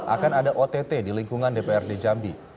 akan ada ott di lingkungan dprd jambi